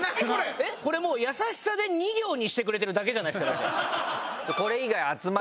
これもう優しさで２行にしてくれてるだけじゃないですかだって。